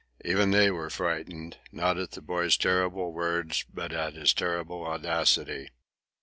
Even they were frightened, not at the boy's terrible words, but at his terrible audacity.